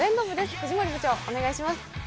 藤森部長、お願いします。